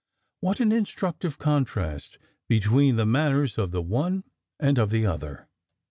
What an instructive contrast between the manners of the one and of the other!"